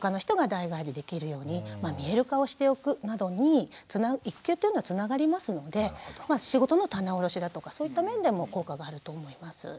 などに育休というのはつながりますので仕事の棚卸しだとかそういった面でも効果があると思います。